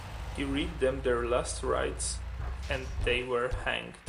He read them their last rites, and they were hanged.